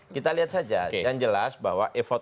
kita lihat saja yang jelas bahwa effort